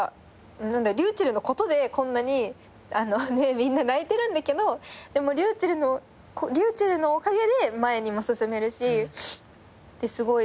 ｒｙｕｃｈｅｌｌのことでこんなにみんな泣いてるんだけどでもｒｙｕｃｈｅｌｌのおかげで前にも進めるしってすごい思いますね